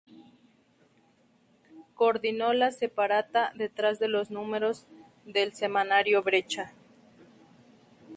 Coordinó la separata "Detrás de los Números" del semanario Brecha.